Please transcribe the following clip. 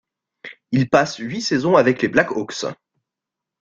Il passe huit saisons avec les Black Hawks.